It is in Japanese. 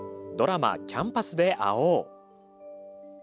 ドラマ「キャンパスで会おう！」。